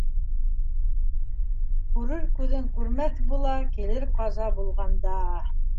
Күрер күҙең күрмәҫ була, килер ҡаза булғанда.